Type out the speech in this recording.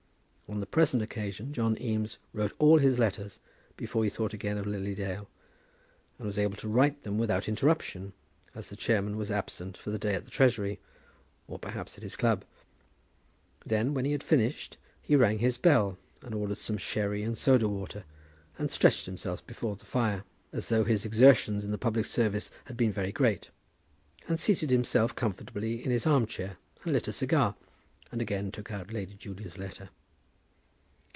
On the present occasion John Eames wrote all his letters before he thought again of Lily Dale, and was able to write them without interruption, as the chairman was absent for the day at the Treasury, or perhaps at his club. Then, when he had finished, he rang his bell, and ordered some sherry and soda water, and stretched himself before the fire, as though his exertions in the public service had been very great, and seated himself comfortably in his arm chair, and lit a cigar, and again took out Lady Julia's letter.